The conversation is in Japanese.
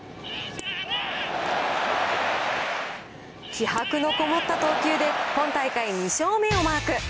気迫の込もった投球で、今大会２勝目をマーク。